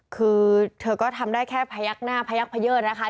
คือเธอก็ทำได้แค่พยักหน้าพยักพะเยิดนะคะ